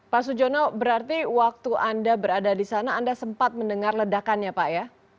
pak sujono berarti waktu anda berada di sana anda sempat mendengar ledakannya pak ya